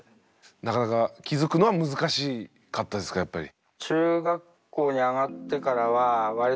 なかなか気付くのは難しかったですかやっぱり。